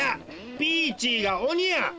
ピーチーがおにや！